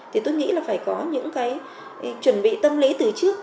thì tôi nghĩ là phải có những cái chuẩn bị tâm lý từ trước